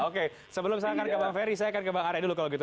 oke sebelum saya akan ke bang ferry saya akan ke bang arya dulu kalau gitu